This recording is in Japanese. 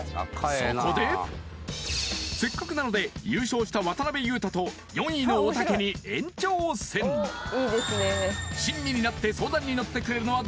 そこでせっかくなので優勝した渡辺裕太と４位のおたけに延長戦母親から突然タイムを計測